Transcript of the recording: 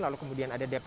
lalu kemudian ada daerah